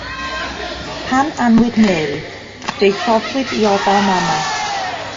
Pan anwyd Mary, fe'i rhoddwyd i ofal mamaeth.